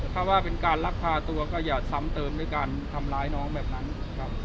ถ้าว่าเป็นการลักพาตัวก็อย่าซ้ำเติมด้วยการทำร้ายน้องแบบนั้นครับ